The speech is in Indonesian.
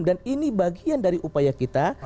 dan ini bagian dari upaya kita